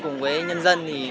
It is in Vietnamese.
cùng với nhân dân